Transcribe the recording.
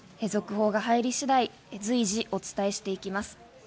続報が入り次第、随時お伝えしていきます。